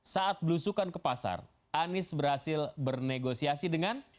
saat belusukan ke pasar anies berhasil bernegosiasi dengan